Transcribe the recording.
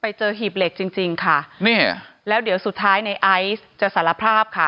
หีบเหล็กจริงจริงค่ะนี่แล้วเดี๋ยวสุดท้ายในไอซ์จะสารภาพค่ะ